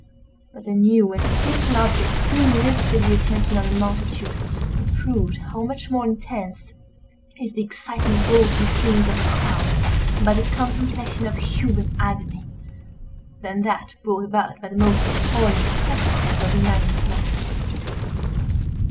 But a new and fearful object soon rivetted the attention of the multitude, and proved how much more intense is the excitement wrought in the feelings of a crowd by the contemplation of human agony, than that brought about by the most appalling spectacles of inanimate matter.